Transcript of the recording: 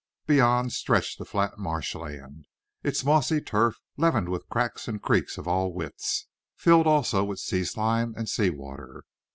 Beyond stretched the flat marshland, its mossy turf leavened with cracks and creeks of all widths, filled also with sea slime and sea water.